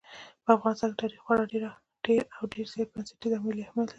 په افغانستان کې تاریخ خورا ډېر او ډېر زیات بنسټیز او ملي اهمیت لري.